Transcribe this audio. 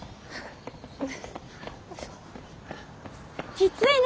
きついね。